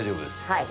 はい。